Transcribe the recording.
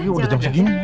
iya udah jam segini